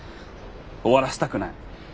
終わらせたくない。